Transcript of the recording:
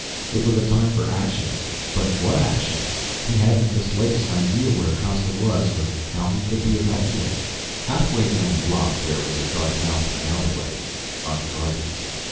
It was a time for action but what action? He hadn't the slightest idea where Costa was or how he could be of help to him. Halfway down the block there was a dark mouth of an alleyway unguarded.